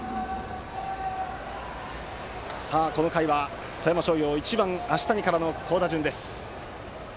この回、富山商業は１番、足谷からの好打順。